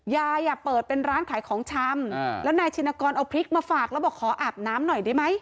ยายเปิดเป็นร้านขายของชำแล้วนายชินกรเอาพริกมาฝากแล้วบอกขออาบน้ำหน่อยได้ไหม